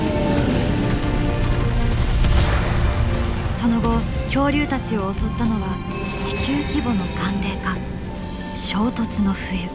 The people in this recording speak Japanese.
その後恐竜たちを襲ったのは地球規模の寒冷化。